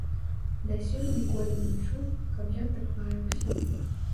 Дасюль ніколі не чуў, каб ён так лаяўся.